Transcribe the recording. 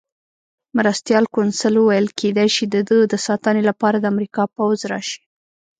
مرستیال کونسل وویل: کېدای شي د ده د ساتنې لپاره د امریکا پوځ راشي.